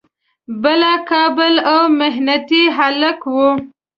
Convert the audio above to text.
بلا قابل او محنتي هلک و.